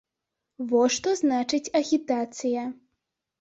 Во што значыць агітацыя.